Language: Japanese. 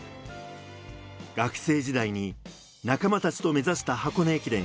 学生時代に仲間たちと目指した箱根駅伝。